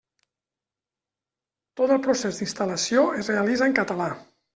Tot el procés d'instal·lació es realitza en català.